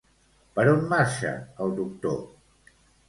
Per on marxa el doctor?